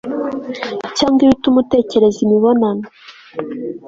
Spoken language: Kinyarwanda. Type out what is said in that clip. cyangwa ibituma utekereza imibonano